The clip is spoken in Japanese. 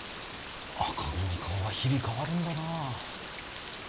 赤子の顔は日々変わるんだな。